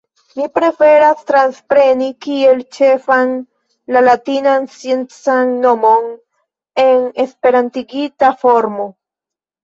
Ni preferas transpreni kiel ĉefan la latinan sciencan nomon en esperantigita formo.